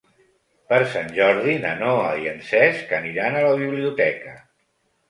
Per Sant Jordi na Noa i en Cesc aniran a la biblioteca.